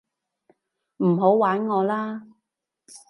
唔好玩我啦